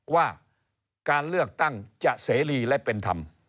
ว่าการเลือกตั้งจะเสรีและเป็นธรรม